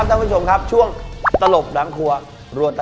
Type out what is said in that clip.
ดูว่าจะเป็นอะไร